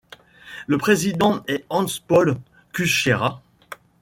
Le président est Hans-Paul Kutschera.